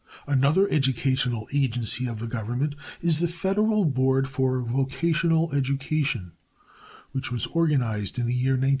Another educational agency of the Government is the Federal Board for Vocational Education, which was organized in the year 1917.